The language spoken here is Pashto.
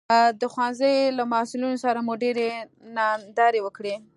د ښوونځي له مسوولانو سره مو ډېرې ناندرۍ وکړې